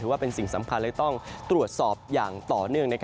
ว่าเป็นสิ่งสำคัญเลยต้องตรวจสอบอย่างต่อเนื่อง